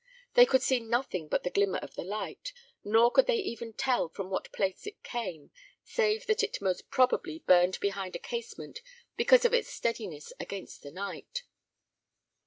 They could see nothing but the glimmer of the light, nor could they even tell from what place it came, save that it most probably burned behind a casement because of its steadiness against the night.